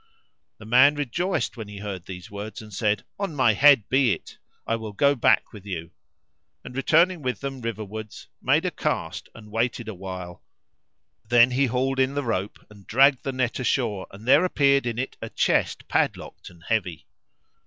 The man rejoiced when he heard these words and said, "On my head be it! I will go back with you;" and, returning with them river wards, made a cast and waited a while; then he hauled in the rope and dragged the net ashore and there appeared in it a chest padlocked and heavy.